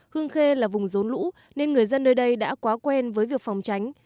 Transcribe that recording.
hương khê là vùng rốn lũ nên người dân nơi đây đã quá quen với việc phòng tránh